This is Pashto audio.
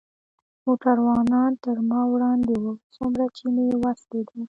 موټروانان تر ما وړاندې و، څومره چې مې وس کېده.